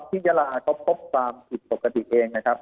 ยาลาเขาพบความผิดปกติเองนะครับ